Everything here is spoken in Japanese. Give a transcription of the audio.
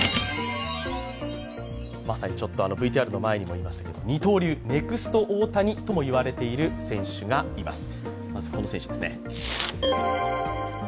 まさにＶＴＲの前にも言いましたけど、二刀流、ネクスト大谷とも言われている選手がいます。